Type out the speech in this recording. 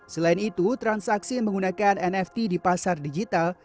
selain itu transaksi menggunakan nft di pasar digital